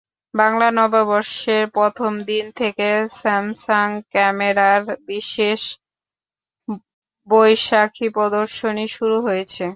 বাংলা নববর্ষের প্রথম দিন থেকে স্যামসাং ক্যামেরার বিশেষ বৈশাখী প্রদর্শনী শুরু হয়েছে।